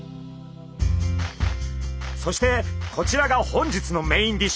そしてこちらが本日のメインディッシュ。